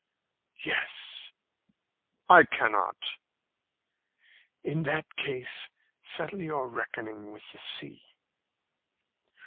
"Yes." "I cannot." "In that case settle your reckoning with the sea."